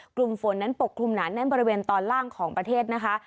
กลุ่มฝนนั้นปกคลุมหนาแน่นบริเวณตอนล่างของประเทศนะคะ